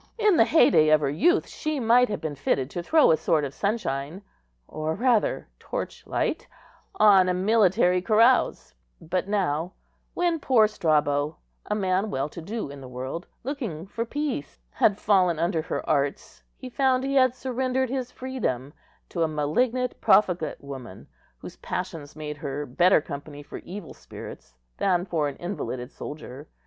In the hey day of her youth she might have been fitted to throw a sort of sunshine, or rather torchlight, on a military carouse; but now, when poor Strabo, a man well to do in the world, looking for peace, had fallen under her arts, he found he had surrendered his freedom to a malignant, profligate woman, whose passions made her better company for evil spirits than for an invalided soldier.